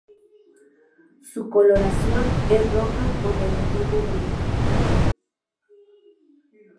Su coloración es roja con relativo brillo.